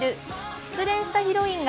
失恋したヒロインが。